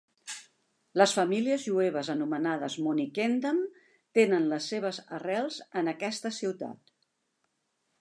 Les famílies jueves anomenades Monnikendam tenen les seves arrels en aquesta ciutat.